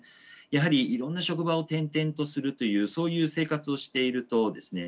やはりいろんな職場を転々とするというそういう生活をしているとですね